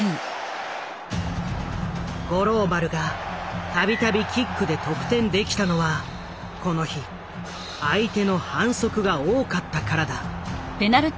五郎丸が度々キックで得点できたのはこの日相手の反則が多かったからだ。